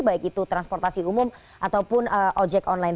baik itu transportasi umum ataupun ojek online